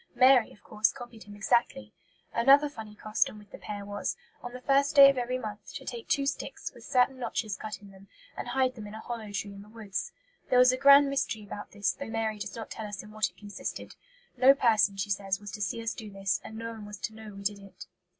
Mary, of course, copied him exactly. Another funny custom with the pair was, on the first day of every month, to take two sticks, with certain notches cut in them, and hide them in a hollow tree in the woods. There was a grand mystery about this, though Mary does not tell us in what it consisted. "No person," she says, "was to see us do this, and no one was to know we did it."